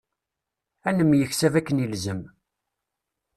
Ad nemyeksab akken ilzem.